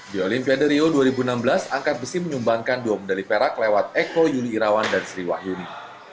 di olimpiade rio dua ribu enam belas angkat besi menyumbangkan dua medali perak lewat eko yuli irawan dan sri wahyuni